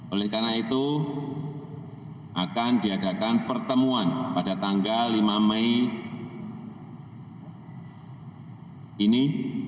oleh karena itu akan diadakan pertemuan pada tanggal lima mei ini